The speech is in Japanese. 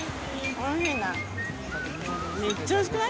おいしい。